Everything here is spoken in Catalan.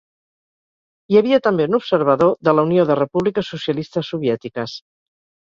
Hi havia també un observador de la Unió de Repúbliques Socialistes Soviètiques.